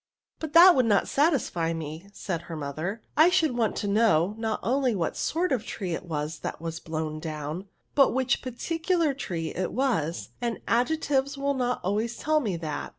*^ But that would not satisfy me," said her mother ;'^ I should want to know, not oidy what sort of a tree it was that was blown down, but which particular tree it was, and adjectives will not always tell me that."